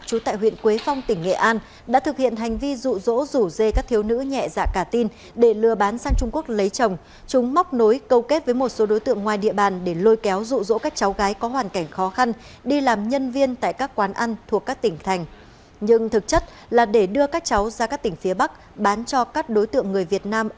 công an tỉnh nghệ an vừa phá thành công hai năm